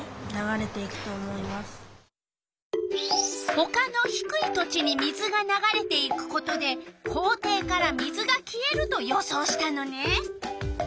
ほかのひくい土地に水がながれていくことで校庭から水が消えると予想したのね。